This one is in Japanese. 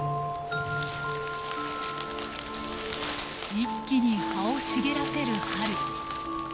一気に葉を茂らせる春。